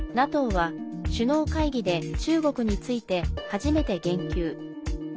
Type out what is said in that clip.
ＮＡＴＯは首脳会議で中国について初めて言及。